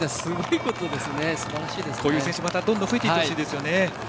こういう選手がまたどんどん増えていってほしいですね。